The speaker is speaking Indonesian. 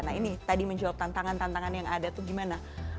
nah ini tadi menjawab tantangan tantangan yang ada tuh gimana